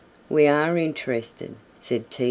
"We are interested," said T.